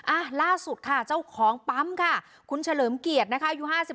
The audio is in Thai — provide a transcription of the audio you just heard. อ่ะล่าสุดค่ะเจ้าของปั๊มค่ะคุณเฉลิมเกียรตินะคะอายุ๕๓